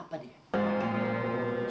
terima kasih nek